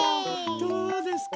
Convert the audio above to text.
どうですか？